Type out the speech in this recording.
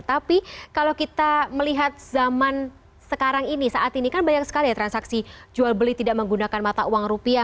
tapi kalau kita melihat zaman sekarang ini saat ini kan banyak sekali ya transaksi jual beli tidak menggunakan mata uang rupiah